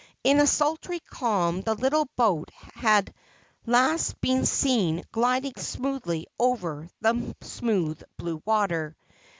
In a sultry calm the little boat had last been seen gliding smoothly over the smooth blue water.